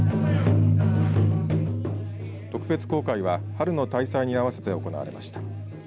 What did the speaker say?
特別公開は春の大祭に合わせて行われました。